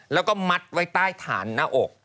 แล้วก็มัดไว้ใต้ฐานหน้าอก